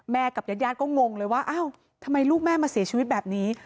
กับญาติก็งงเลยว่าอ้าวทำไมลูกแม่มาเสียชีวิตแบบนี้